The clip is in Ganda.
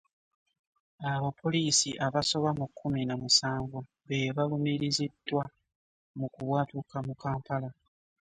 Abapoliisi abasoba mu kkumi na musanvu be balumiriziddwa mu kubwatuka mu Kampala.